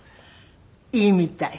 いいみたい。